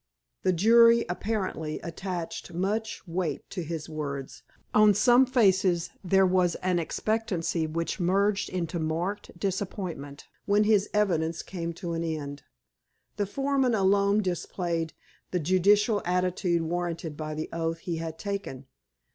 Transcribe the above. The jury, apparently, attached much weight to his words. On some faces there was an expectancy which merged into marked disappointment when his evidence came to an end. The foreman alone displayed the judicial attitude warranted by the oath he had taken.